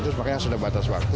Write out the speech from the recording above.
terus sebabnya sudah batas waktu